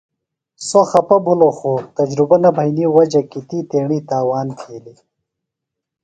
سوۡ خپہ بِھلوۡ خوۡ تجربہ نہ بھئینی وجہ کیۡ تی تیݨیۡ تاوان تِھیلیۡ۔